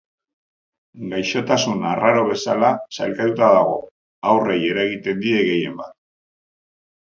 Gaixotasun arraro bezala sailkatuta dago, haurrei eragiten die gehien bat.